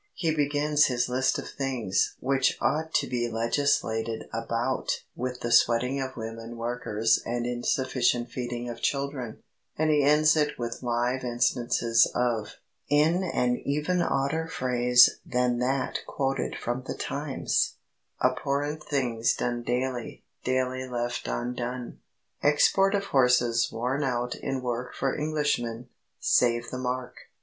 He begins his list of things which ought to be legislated about with the sweating of women workers and insufficient feeding of children, and he ends it with live instances of in an even odder phrase than that quoted from the Times "abhorrent things done daily, daily left undone." Export of horses worn out in work for Englishmen save the mark!